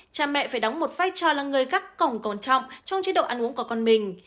cha mẹ phải đóng một vai trò là người gắt cổng trọng trong chế độ ăn uống của con mình